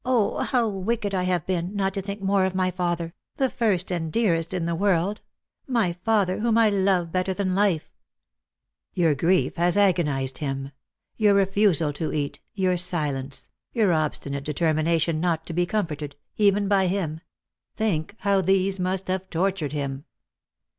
0, how wicked I have been, not to think more of my father — the first and dearest in the world — my father, whom I love better than life !"" Your grief has agonized him. Your refusal to eat — your silence — your obstinate determination not to be comforted, even by him — think how these must have tortured him.